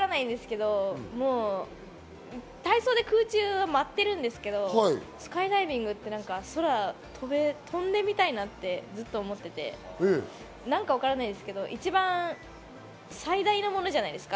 体操で空中は舞ってるんですけど、スカイダイビングってなんか空を飛んでみたいなってずっと思っていて、一番最大のものじゃないですか？